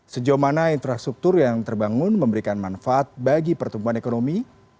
sejauh mana infrastruktur yang terbangun memberikan manfaat bagi pertumbuhan ekonomi